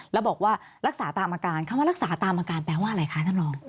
แล้วบอกว่ารักษาตามอาการคำว่ารักษาตามอาการแปลว่าอะไรคะท่านรอง